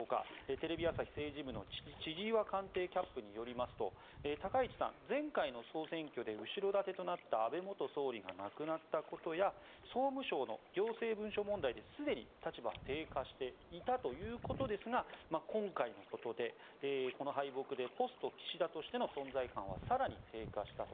テレビ朝日政治部の千々岩官邸キャップによりますと高市さん、前回の総選挙で後ろ盾となった安倍元総理が亡くなったことや総務省の行政文書問題ですでに立場が低下していたということですが今回のことでこの敗北でポスト岸田としての存在感は更に低下したと。